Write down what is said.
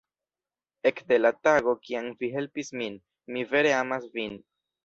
Ekde la tago kiam vi helpis min, mi vere amas vin.